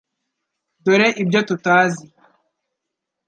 Dore ibyo tutazi .